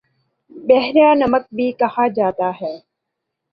بحیرہ نمک بھی کہا جاتا ہے